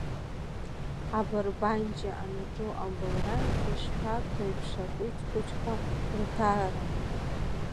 Абарбанџьиа анаҿу абылра, ишшәарҭоу еиԥш акәицхәыҷқәа рҭаара!